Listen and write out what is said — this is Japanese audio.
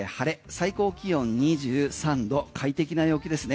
最高気温２３度快適な陽気ですね。